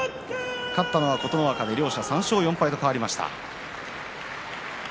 勝ったのは琴ノ若で３勝４敗と変わりました。